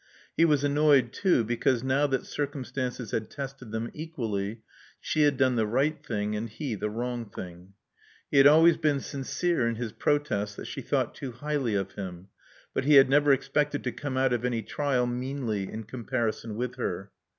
He was annoyed too because now that circumstances had tested them equally, she had done the right thing and he the wrong thing. He had always been sincere in his protests that she thought too highly of him ; but he had never expected to come out of any trial meanly in comparison with her.